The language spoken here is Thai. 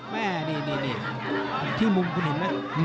แม่นี่ที่มุมพุนินนะ